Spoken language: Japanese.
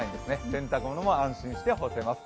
洗濯物も安心して干せます。